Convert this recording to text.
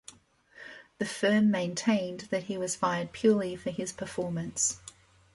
The firm maintained that he was fired purely for his performance.